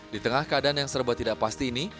di tengah keadaan yang serba tidak pasti ini